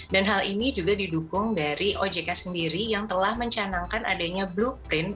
dan hal ini juga didukung dari ojk sendiri yang telah mencanangkan adanya blueprint